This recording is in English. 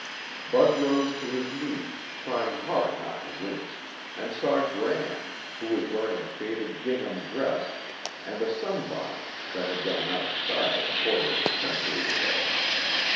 Bud rose to his knees, trying hard not to wince, and saw Gram, who was wearing a faded gingham dress and a sunbonnet that had gone out of style a quarter of a century ago.